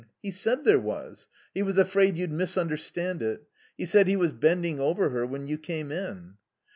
He said there was. He was afraid you'd misunderstand it. He said he was bending over her when you came in."